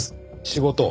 仕事。